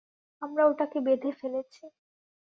আমরা ওটাকে বেঁধে ফেলেছি।